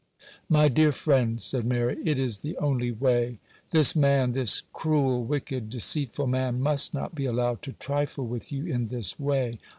'My dear friend,' said Mary, 'it is the only way. This man,—this cruel, wicked, deceitful man,—must not be allowed to trifle with you in this way.